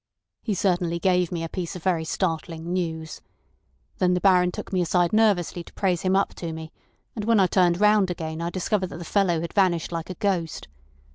He certainly gave me a piece of very startling news. Then the Baron took me aside nervously to praise him up to me, and when I turned round again I discovered that the fellow had vanished like a ghost.